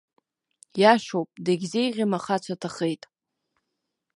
Иашоуп, дегьзеиӷьым ахацәа ҭахеит.